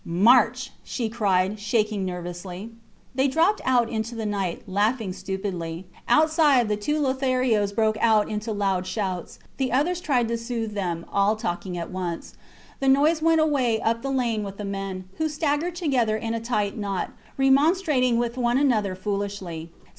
March! she cried, shaking nervously. They dropped out into the night, laughing stupidly. Outside, the two Lotharios broke out into loud shouts. The others tried to soothe them, all talking at once. The noise went away up the lane with the men, who staggered together in a tight knot, remonstrating with one another foolishly.